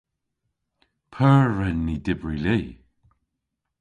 P'eur hwren ni dybri li?